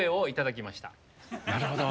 なるほど。